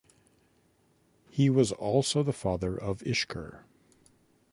He was also the father of Ishkur.